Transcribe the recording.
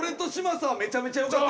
めちゃめちゃよかった！